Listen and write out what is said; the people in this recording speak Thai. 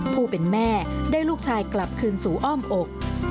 ผู้เป็นแม่ได้ลูกชายกลับคืนสู่อ้อมอก